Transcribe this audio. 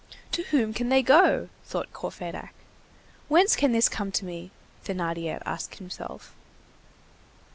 "To whom can they go?" thought Courfeyrac. "Whence can this come to me?" Thénardier asked himself.